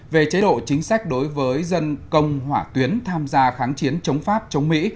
về chế độ chính sách đối với dân công hỏa tuyến tham gia kháng chiến chống pháp chống mỹ